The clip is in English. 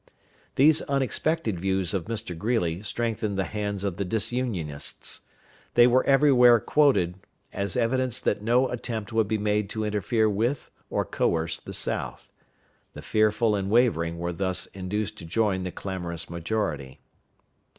These unexpected views of Mr. Greeley strengthened the hands of the Disunionists. They were everywhere quoted as evidence that no attempt would be made to interfere with or coerce the South. The fearful and wavering were thus induced to join the clamorous majority.